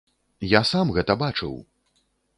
Я сам гэта бачыў!